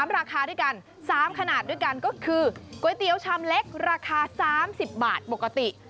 ราคาด้วยกัน๓ขนาดด้วยกันก็คือก๋วยเตี๋ยวชามเล็กราคา๓๐บาทปกติ